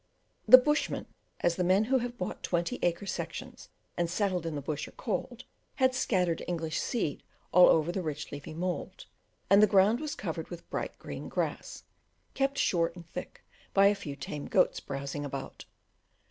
The "bushmen" as the men who have bought twenty acre sections and settled in the bush are called had scattered English grass seed all over the rich leafy mould, and the ground was covered with bright green grass, kept short and thick by a few tame goats browsing about.